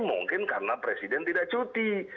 mungkin karena presiden tidak cuti